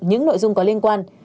những nội dung có liên quan